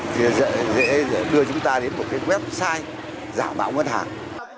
thì dễ đưa chúng ta đến một website giả bạo mất hàng